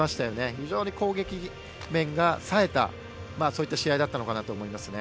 非常に攻撃面が冴えた試合だったのかなと思いますね。